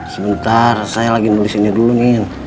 sebentar saya lagi mulai sini dulu ngin